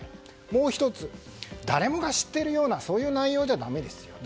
もう１つ、誰もが知っているような内容ではだめですよ。